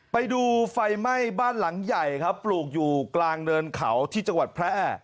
ไปดูไฟไหม้บ้านหลังใหญ่ครับปลูกอยู่กลางเนินเขาที่จังหวัดแพร่